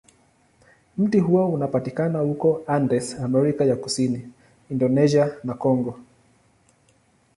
Mti huo unapatikana huko Andes, Amerika ya Kusini, Indonesia, na Kongo.